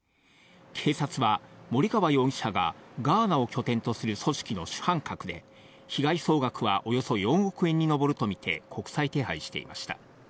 警察は森川容疑者がガーナを拠点とする組織の主犯格で、被害総額はおよそ４億円に上るとみて国際手配していました。